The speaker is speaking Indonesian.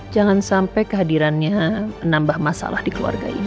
jangan sampai kehadirannya menambah masalah di keluarga ini